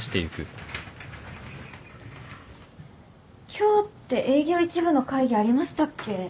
今日って営業一部の会議ありましたっけ？